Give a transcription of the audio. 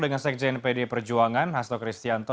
dengan sekjen pd perjuangan hasto kristianto